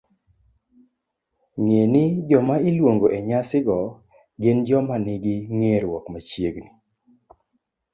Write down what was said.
Ng'e ni joma iluongo e nyasi go gin joma nigi ng'eruok machiegni